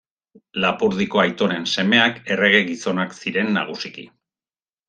Lapurdiko aitonen semeak errege gizonak ziren nagusiki.